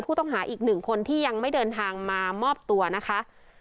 ผู้ต้องหาอีกหนึ่งคนที่ยังไม่เดินทางมามอบตัวนะคะ